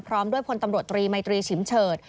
พร้อมด้วยพลตำรวจตรีมัยตรีฉิมเฉิด